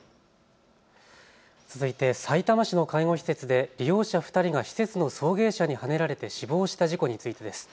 続いて、さいたま市の介護施設で利用者２人が施設の送迎車にはねられて死亡した事故についてです。